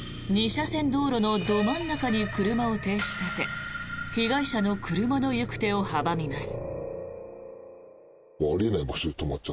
２車線道路のど真ん中に車を停止させ被害者の車の行く手を阻みます。